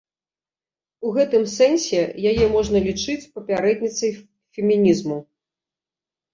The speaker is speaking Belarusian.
У гэтым сэнсе яе можна лічыць папярэдніцай фемінізму.